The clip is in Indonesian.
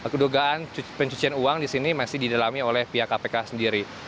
kedugaan pencucian uang di sini masih didalami oleh pihak kpk sendiri